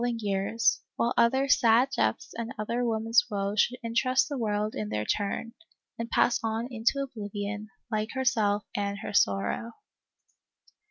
ing years, while other $ad deaths and other women's woes' should interest the world in their turn, and pass on into oblivion, like herself and her sorrow.